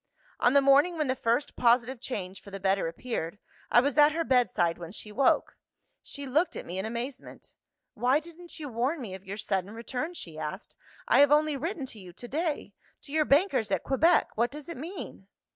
"On the morning when the first positive change for the better appeared, I was at her bedside when she woke. She looked at me in amazement. 'Why didn't you warn me of your sudden return?' she asked, 'I have only written to you to day to your bankers at Quebec! What does it mean?